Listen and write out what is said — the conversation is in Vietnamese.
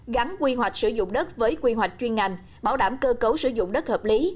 gắn quy hoạch sử dụng đất với quy hoạch chuyên ngành bảo đảm cơ cấu sử dụng đất hợp lý